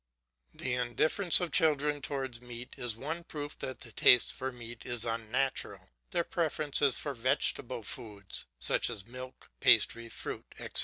The indifference of children towards meat is one proof that the taste for meat is unnatural; their preference is for vegetable foods, such as milk, pastry, fruit, etc.